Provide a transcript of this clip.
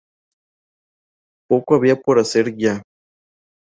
Poco había por hacer ya.